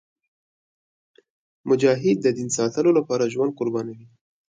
مجاهد د دین ساتلو لپاره ژوند قربانوي.